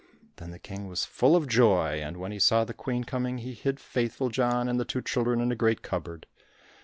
Then the King was full of joy, and when he saw the Queen coming he hid Faithful John and the two children in a great cupboard.